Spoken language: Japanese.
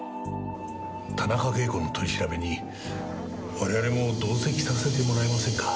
田中啓子の取り調べに我々も同席させてもらえませんか？